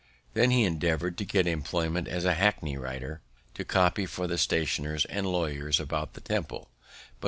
Then he endeavoured to get employment as a hackney writer, to copy for the stationers and lawyers about the Temple, but could find no vacancy.